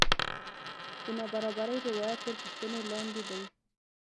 د نابرابرۍ روایت تر پوښتنې لاندې دی.